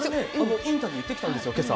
インタビュー行ってきたんですよ、けさ。